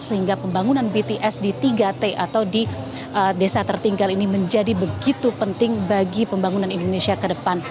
sehingga pembangunan bts di tiga t atau di desa tertinggal ini menjadi begitu penting bagi pembangunan indonesia ke depan